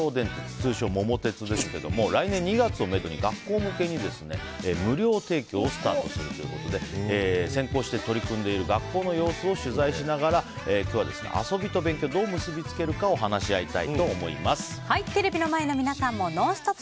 通称「桃鉄」ですけども来年２月をめどに学校向けに学校向けに無料提供をスタートするということで先行して取り組んでいる学校の様子を取材しながら今日は遊びと勉強をどう結び付けるかをテレビの前の皆さんもＮＯＮＳＴＯＰ！